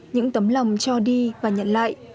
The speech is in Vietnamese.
những tấm lòng cho đi và nhận lại